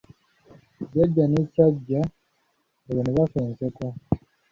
Jjajja ne Kyajja olwo ne bafa enseko.